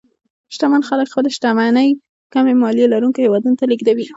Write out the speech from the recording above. شتمن خلک خپلې شتمنۍ کمې مالیې لرونکو هېوادونو ته لېږدوي.